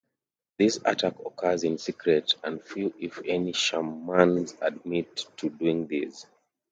This attack occurs in secret and few if any shamans admit to doing this.